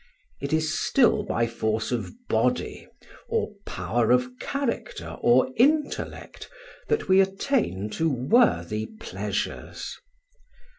It is still by force of body, or power of character or intellect; that we attain to worthy pleasures.